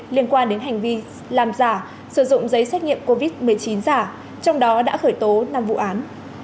liên quan đến hành vi làm giả sử dụng giấy xét nghiệm covid một mươi chín giả trong đó đã khởi tố năm vụ án